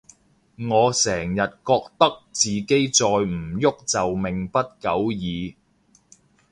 我成日覺得自己再唔郁就命不久矣